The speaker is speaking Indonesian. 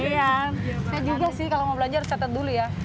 saya juga sih kalau mau belanja harus catat dulu ya